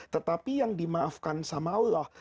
tetapi yang dimaafkan sama allah